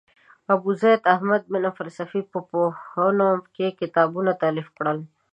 ابوزید احمد بن فلسفي په پوهنو کې کتابونه تالیف کړل.